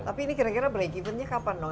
tapi ini kira kira break givennya kapan dong